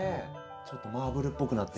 ちょっとマーブルっぽくなってて。